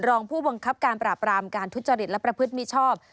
รองผู้บังคับการปราบรามการทุจริตและประพฤติมิชชอบ